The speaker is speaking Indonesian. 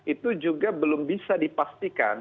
itu juga belum bisa dipastikan